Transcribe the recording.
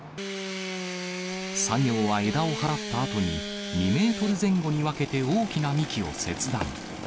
作業は、枝を払ったあとに、２メートル前後に分けて大きな幹を切断。